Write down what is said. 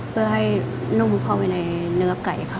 เพื่อให้นุ่มเข้าไปในเนื้อไก่ค่ะ